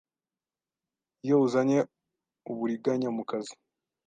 iyo uzanye Uburiganya mukazi;